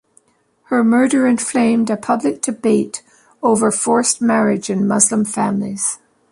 Her murder inflamed a public debate over forced marriage in Muslim families.